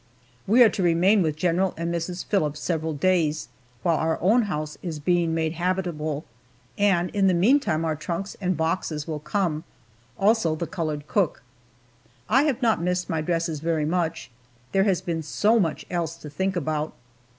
We are to remain with General and Mrs. Phillips several days, while our own house is being made habitable, and in the meantime our trunks and boxes will come, also the colored cook. I have not missed my dresses very much there has been so much else to think about.